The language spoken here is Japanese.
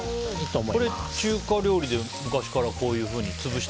中華料理で昔からこういうふうに潰して。